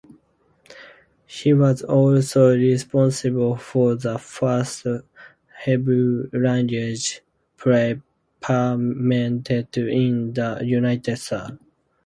He was also responsible for the first Hebrew-language play performed in the United States.